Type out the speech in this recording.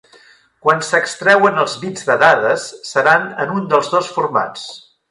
Quan s'extreuen els bits de dades, seran en un dels dos formats.